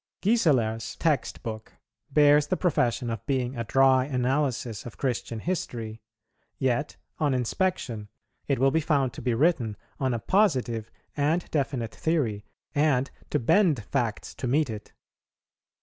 Gieseler's "Text Book" bears the profession of being a dry analysis of Christian history; yet on inspection it will be found to be written on a positive and definite theory, and to bend facts to meet it.